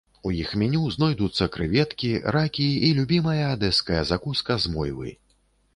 У іх меню знойдуцца крэветкі, ракі і любімая адэская закуска з мойвы.